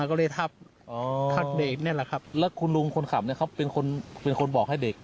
ข้าบนขบบอกว่ารถมันเป็นไรนะ